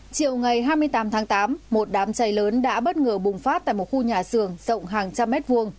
chiều ngày hai mươi tám tháng tám một đám cháy lớn đã bất ngờ bùng phát tại một khu nhà xưởng rộng hàng trăm mét vuông